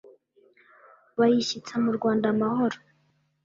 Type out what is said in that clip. bayishyitsa mu Rwanda amahoro